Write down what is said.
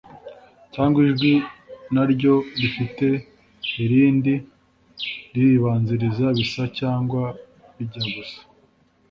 cyangwa ijwi na ryo rifite irindi riribanziriza bisa cyangwabijyagusa